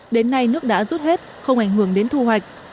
đến nay nước đã rút hết không ảnh hưởng đến thu hoạch